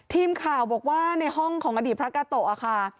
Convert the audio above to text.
ทีมข่าวบอกว่าในห้องของอดีตพระกาโตะค่ะ